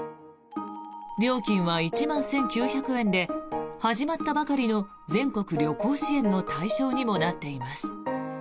料金は１万１９００円で始まったばかりの全国旅行支援の対象にもなっています。